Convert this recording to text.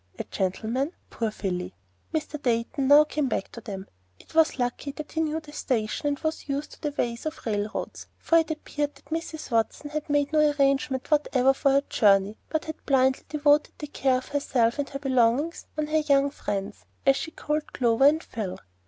A gentleman! Poor Philly! Mr. Dayton now came back to them. It was lucky that he knew the station and was used to the ways of railroads, for it appeared that Mrs. Watson had made no arrangements whatever for her journey, but had blindly devolved the care of herself and her belongings on her "young friends," as she called Clover and Phil.